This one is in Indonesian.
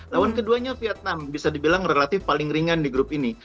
lawan keduanya vietnam bisa dibilang relatif paling ringan di grup ini